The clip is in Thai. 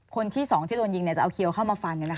คนที่๒ที่โดนยิงจะเอาเขียวเข้ามาฟัน